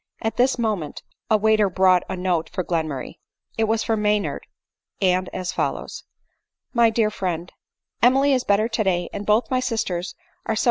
At this moment a waiter brought in a note for Glenmurray — it was from Maynard, and as follows : MY DEAR FRIEND, Emily is better today ; and both my sisters are so im 84 ADELINE MOWBRAY.